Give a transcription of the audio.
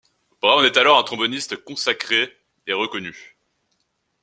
Brown est alors un tromboniste consacré et reconnu.